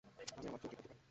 আমি আমার চুল ঠিক করতে পারি।